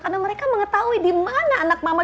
karena mereka mengetahui dimana anak mama